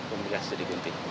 kemudian kasus yang ditambahkan